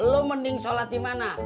lo mending sholat di mana